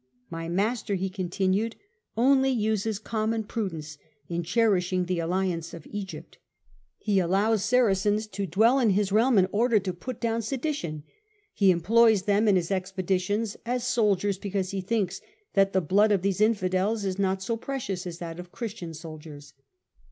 " My master," he continued, " only uses common prudence in cherishing the alliance of Egypt. He allows Saracens to dwell in his realm in order to put down sedition : he employs them in his expeditions as soldiers because he thinks that the blood of these infidels is not so precious as that of Christian soldiers.